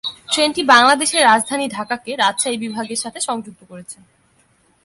ট্রেনটি বাংলাদেশের রাজধানী ঢাকাকে রাজশাহী বিভাগের সাথে সংযুক্ত করেছে।